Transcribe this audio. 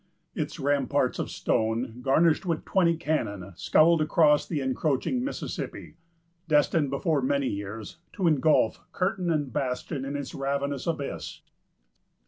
Its ramparts of stone, garnished with twenty cannon, scowled across the encroaching Mississippi, destined, before many years, to ingulf curtain and bastion in its ravenous abyss.